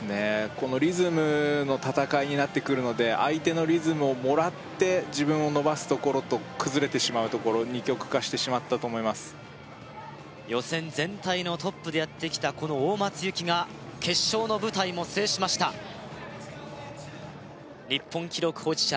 このリズムの戦いになってくるので相手のリズムをもらって自分を伸ばすところと崩れてしまうところ二極化してしまったと思います予選全体のトップでやってきたこの大松由季が決勝の舞台も制しました日本記録保持者